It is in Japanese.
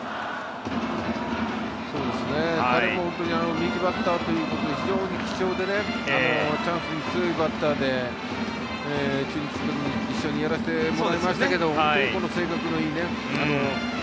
彼も右バッターということで非常に貴重でチャンスに強いバッターで一緒にやらせてもらいましたけど性格のいい。